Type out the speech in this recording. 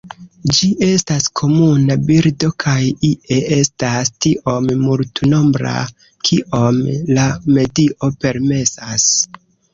Ĝi estas komuna birdo kaj ie estas tiom multnombra kiom la medio permesas.